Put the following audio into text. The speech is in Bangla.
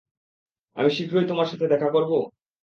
আমি শীঘ্রই তোমার সাথে দেখা করব?